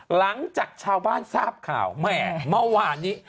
หลังจากชาวบ้านทราบข่าวแหมเมื่อวานนี้